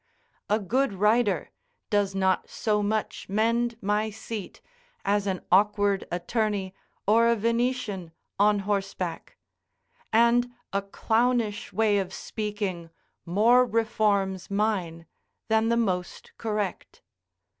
A good rider does not so much mend my seat, as an awkward attorney or a Venetian, on horseback; and a clownish way of speaking more reforms mine than the most correct.